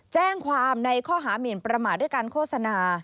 แจ้งความในข้อหามินประมาทด้วยการโฆษณา